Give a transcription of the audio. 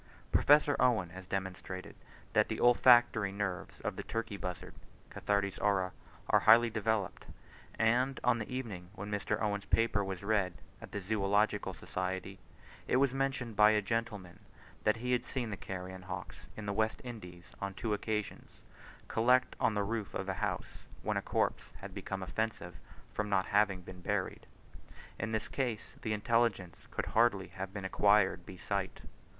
Professor Owen has demonstrated that the olfactory nerves of the turkey buzzard (Cathartes aura) are highly developed, and on the evening when Mr. Owen's paper was read at the Zoological Society, it was mentioned by a gentleman that he had seen the carrion hawks in the West Indies on two occasions collect on the roof of a house, when a corpse had become offensive from not having been buried, in this case, the intelligence could hardly have been acquired by sight.